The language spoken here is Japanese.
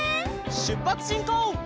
しゅっぱつしんこう！